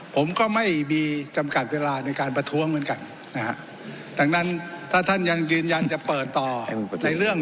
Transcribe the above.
ผมก็ไม่มีจำกัดเวลาในการประท้วงเหมือนกันนะฮะดังนั้นถ้าท่านยังยืนยันจะเปิดต่อในเรื่อง